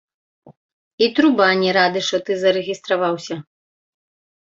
І труба, не рады, што ты зарэгістраваўся.